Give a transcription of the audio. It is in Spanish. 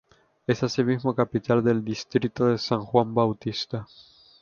Es asimismo capital del distrito de San Juan Bautista.